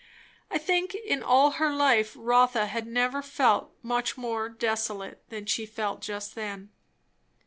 I think in all her life Rotha had never felt much more desolate than she felt just then.